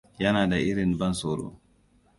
Yana da irin ban tsoro.